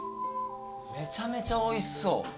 めちゃめちゃおいしそう。